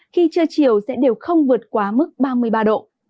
khi trưa chiều sẽ đều không vượt quá mức ba mươi ba độ